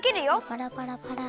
パラパラパラ。